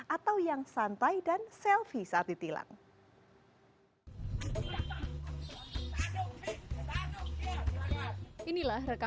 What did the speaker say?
atau yang santai dan selfie saat ditilang